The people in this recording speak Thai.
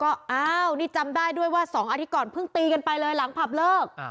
ก็อ้าวนี่จำได้ด้วยว่า๒อาทิตย์ก่อนเพิ่งตีกันไปเลยหลังผับเลิก